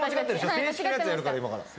正式なやつやるから今から。